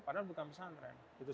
padahal bukan pesantren